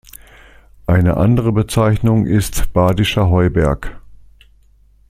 Eine andere Bezeichnung ist Badischer Heuberg.